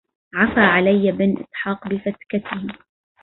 عفى علي بن إسحاق بفتكته